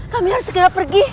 kami harus segera pergi